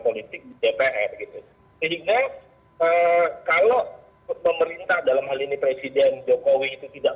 politik jpr sehingga kalau pemerintah dalam hal ini presiden jokowi itu tidak